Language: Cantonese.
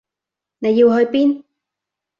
你要去邊？